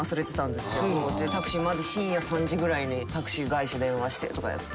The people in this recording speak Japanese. でタクシーまず深夜３時ぐらいにタクシー会社電話してとかやって。